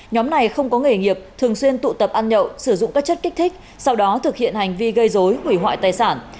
nhóm này không có nghề nghiệp thường xuyên tụ tập ăn nhậu sử dụng các chất kích thích sau đó thực hiện hành vi gây dối hủy hoại tài sản